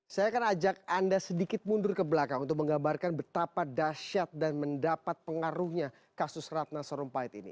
saya akan ajak anda sedikit mundur ke belakang untuk menggambarkan betapa dasyat dan mendapat pengaruhnya kasus ratna sarumpait ini